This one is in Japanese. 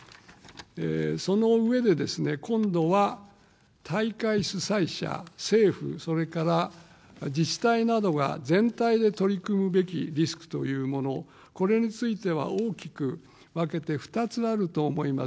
その上で、今度は大会主催者、政府、それから自治体などが全体で取り組むべきリスクというもの、これについては大きく分けて２つあると思います。